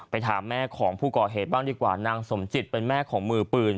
ถามแม่ของผู้ก่อเหตุบ้างดีกว่านางสมจิตเป็นแม่ของมือปืน